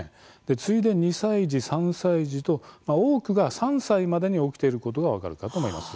次いで２歳児、３歳児と多くが３歳までに起きていることが分かるかと思います。